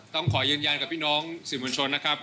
ต้องขอยืนยันกับพี่น้องสื่อมวลชนนะครับ